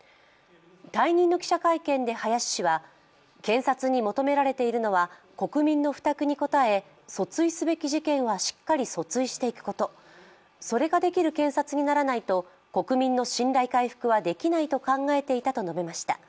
退任の記者会見で林氏は、検察に求められているのは国民の負託に応え、訴追すべき事件はしっかり訴追していくこと、それができる検察にならないと国民の信頼回復はできないと考えていたと述べました。